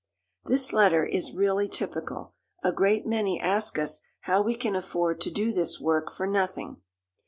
This letter is really typical. A great many ask us how we "can afford to do this work" for nothing.